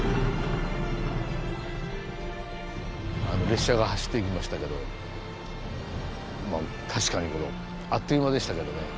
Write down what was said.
列車が走っていきましたけど確かにあっという間でしたけどね